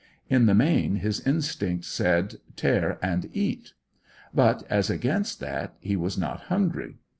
In the main his instincts said, "Tear and eat!" But, as against that, he was not hungry.